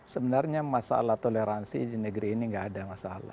sebenarnya masalah toleransi di negeri ini nggak ada masalah